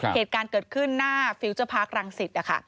เหตุการณ์เกิดขึ้นหน้าฟิลเจอร์พาร์ครังสิตนะคะ